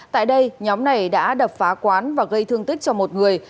tại đây nhóm này đã đập phá quán và gây thương tích cho một người